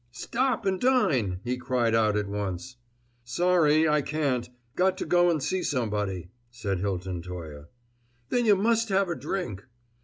"Stop and dine!" he cried out at once. "Sorry I can't; got to go and see somebody," said Hilton Toye. "Then you must have a drink."